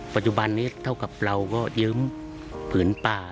ปัจจุบันนี้เท่ากับเราก็ยืมผืนป่า